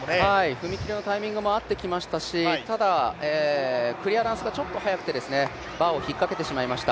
踏切のタイミングも合ってきましたし、ただクリアランスがちょっと早くて、バーを引っかけてしまいました。